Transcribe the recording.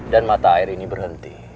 dan mata air ini berhenti